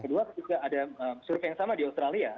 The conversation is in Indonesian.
kedua ketika ada survei yang sama di australia